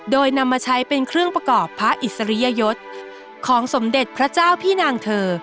โดยนำมาใช้เป็นเครื่องประกอบพระอิสริยยศของสมเด็จพระเจ้าพี่นางเธอ